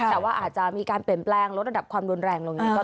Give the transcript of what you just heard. แต่ว่าอาจจะมีการเปลี่ยนแปลงลดระดับความรุนแรงลงนี้ก็ได้